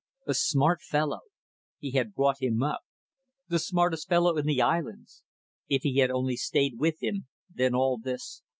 A smart fellow. He had brought him up. The smartest fellow in the islands. If he had only stayed with him, then all this